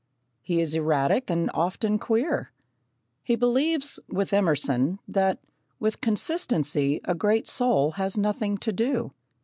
He is erratic and often queer. He believes, with Emerson, that "with consistency a great soul has nothing to do."